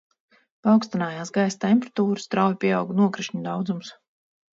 Paaugstinājās gaisa temperatūra, strauji pieauga nokrišņu daudzums.